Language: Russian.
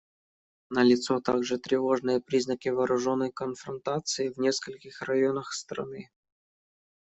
Налицо также тревожные признаки вооруженной конфронтации в нескольких районах страны.